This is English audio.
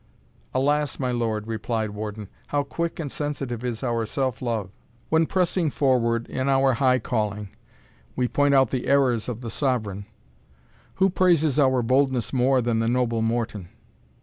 "Alas! my lord," replied Warden, "how quick and sensitive is our self love! When pressing forward in our high calling, we point out the errors of the Sovereign, who praises our boldness more than the noble Morton?